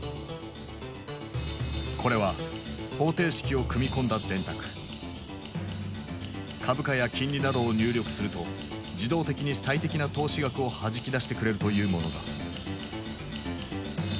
これは株価や金利などを入力すると自動的に最適な投資額をはじき出してくれるというものだ。